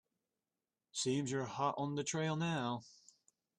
Seems you're hot on the trail now.